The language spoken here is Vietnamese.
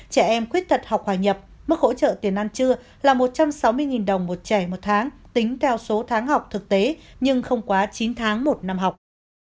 trẻ em khuyết tật học hòa nhập mức hỗ trợ tiền ăn trưa là một trăm sáu mươi đồng một trẻ một tháng tính theo số tháng học thực tế nhưng không quá chín tháng một năm học